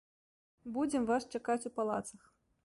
Будзем вас чакаць у палацах.